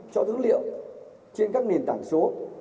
cho dữ liệu trên các nền tảng số